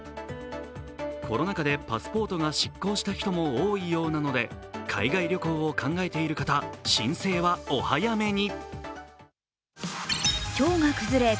コロナ禍でパスポートが失効した人も多いようなので海外旅行を考えている方、申請はお早めに。